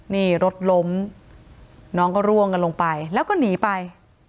นี่รถล้มน้องก็ร่วงกันลงไปแล้วก็หนีไป